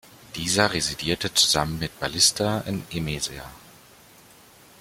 Dieser residierte zusammen mit Ballista in Emesa.